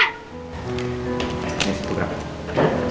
nis itu berapa